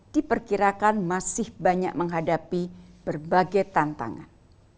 diperkirakan masih banyak menghadapi berbagai tantangan